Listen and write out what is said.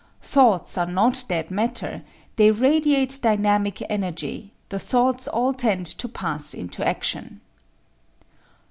Thoughts are not dead matter; they radiate dynamic energy the thoughts all tend to pass into action.